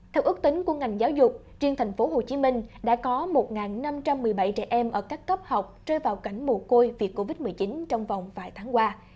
theo ước tính của ngành giáo dục riêng thành phố hồ chí minh đã có một năm trăm một mươi bảy trẻ em ở các cấp học trôi vào cảnh mùa côi việc covid một mươi chín trong vòng vài tháng qua